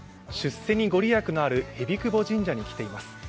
出世に御利益のある蛇窪神社に来ています。